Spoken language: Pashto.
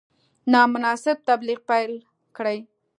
نامناسب تبلیغ پیل کړي.